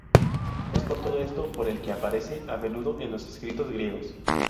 Es por todo esto por el que aparece a menudo en los escritos griegos.